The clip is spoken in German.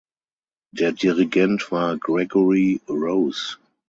Der Dirigent war Gregory Rose.